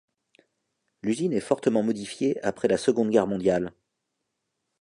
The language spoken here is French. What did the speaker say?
L'usine est fortement modifiée après la Seconde Guerre mondiale.